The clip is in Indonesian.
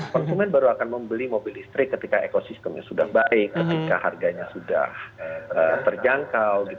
konsumen baru akan membeli mobil listrik ketika ekosistemnya sudah baik ketika harganya sudah terjangkau